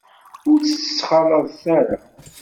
Ur tt-ttxalaḍet ara.